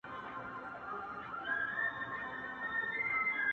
o چي ته ورته دانې د عاطفې لرې که نه,